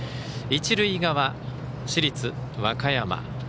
一塁側、市立和歌山。